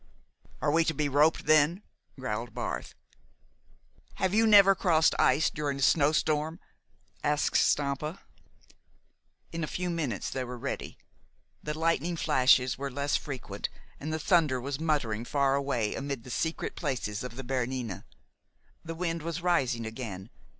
"Are we to be roped, then?" growled Barth. "Have you never crossed ice during a snow storm?" asked Stampa. In a few minutes they were ready. The lightning flashes were less frequent, and the thunder was muttering far away amid the secret places of the Bernina. The wind was rising again.